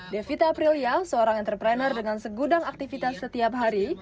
devita aprilia seorang entrepreneur dengan segudang aktivitas setiap hari